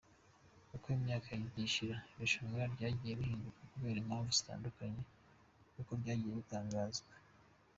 Uko imyaka yagiye ishira irushanwa ryagiye rihinduka kubera impamvu zitandukanye nk’uko byagiye bitangazwa.